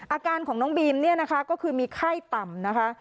อาการของน้องบีมเนี่ยนะคะก็คือมีไข้ต่ำนะคะ